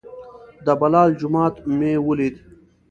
د بلال جومات مو ولید.